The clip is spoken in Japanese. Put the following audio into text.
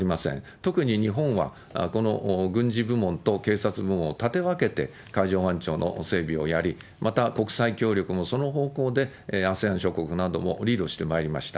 特に日本は、この軍事部門と警察部門を立て分けて海上保安庁の整備をやり、また、国際協力もその方向でアセアン諸国などをリードしてまいりました。